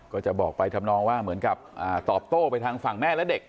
ก็จะบอกไปทำนองว่าเหมือนกับตอบโต้ไปทางฝั่งแม่และเด็ก